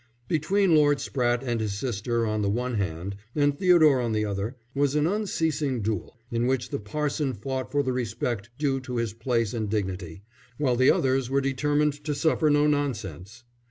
Between Lord Spratte and his sister on the one hand and Theodore on the other, was an unceasing duel, in which the parson fought for the respect due to his place and dignity, while the others were determined to suffer no nonsense.